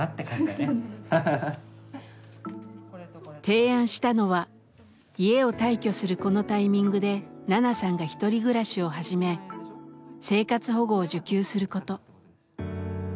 提案したのは家を退去するこのタイミングでナナさんが１人暮らしを始め生活保護を受給すること。